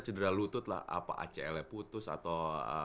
cedera lutut lah apa acl nya putus apa ini lupus apa ini kaga apa ini kecepatan